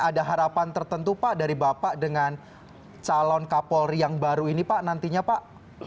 ada harapan tertentu pak dari bapak dengan calon kapolri yang baru ini pak nantinya pak